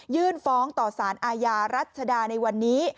ยื่นฟ้องต่อสารอาญารัชดาในวันนี้